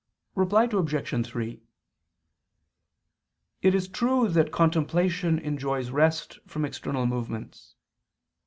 Reply Obj. 3: It is true that contemplation enjoys rest from external movements.